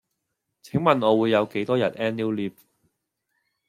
請問我會有幾多日 Annual Leave?